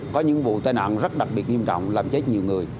có những vụ tai nạn rất đặc biệt nghiêm trọng làm chết nhiều người